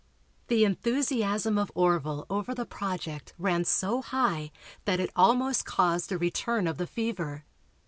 The enthusiasm of Orville over the project ran so high that it almost caused a return of the fever.